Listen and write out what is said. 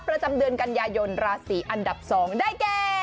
ประจำเดือนกันยายนราศีอันดับ๒ได้แก่